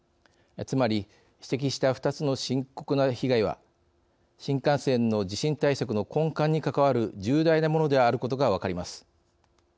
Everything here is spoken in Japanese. つまり指摘した２つの深刻な被害は新幹線の地震対策の根幹にかかわる重大なものであることが分かります。